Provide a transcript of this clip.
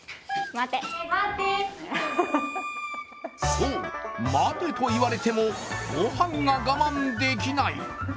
そう、待てと言われてもごはんが我慢できない。